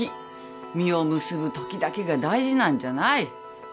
実を結ぶときだけが大事なんじゃない。